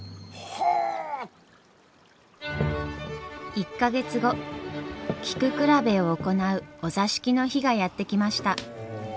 １か月後菊比べを行うお座敷の日がやって来ました。